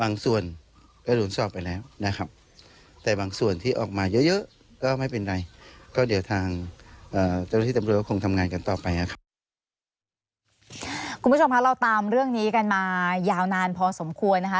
คุณผู้ชมคะเราตามเรื่องนี้กันมายาวนานพอสมควรนะคะ